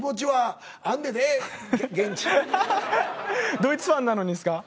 ドイツファンなのにですか？